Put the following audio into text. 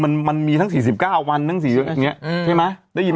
มันมันมีทั้งสี่สิบเก้าวันทั้งสี่วันอย่างเงี้ใช่ไหมได้ยิน